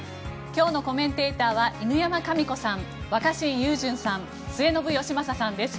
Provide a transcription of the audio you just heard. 今日のコメンテーターは犬山紙子さん若新雄純さん末延吉正さんです。